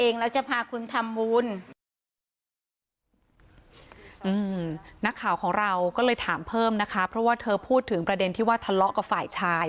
นักข่าวของเราก็เลยถามเพิ่มนะคะเพราะว่าเธอพูดถึงประเด็นที่ว่าทะเลาะกับฝ่ายชาย